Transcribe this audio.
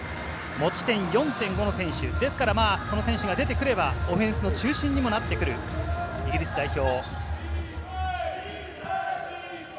持ち点４．５の選手ですから、その選手が出てくればオフェンスの中心にもなってくる、イギリス代表。